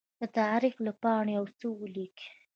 د تاریخ له پاڼو يوڅه ولیکئ!